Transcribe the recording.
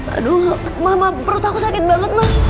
aduh mama perut aku sakit banget mas